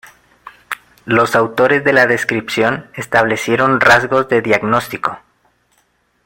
Los autores de la descripción establecieron rasgos de diagnóstico.